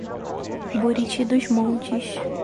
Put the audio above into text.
Buriti dos Montes